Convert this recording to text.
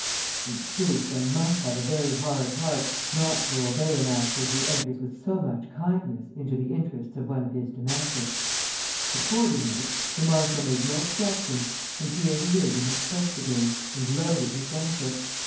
In truth, one must have a very hard heart not to obey a master who enters with so much kindness into the interests of one of his domestics; accordingly, the marshal made no objection, and here he is in his place again, and loaded with benefits."